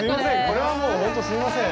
これはもうほんとすいません。